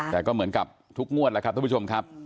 แต่ก็เหมือนกับทุกงวดแล้วครับท่านผู้ชมครับ